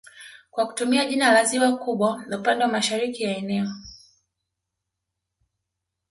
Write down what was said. kwa kutumia jina la ziwa kubwa upande wa mashariki ya eneo